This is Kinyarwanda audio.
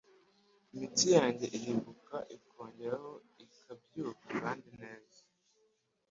Imitsi yanjye iribuka ikongeraho, ikabyuka kandi neza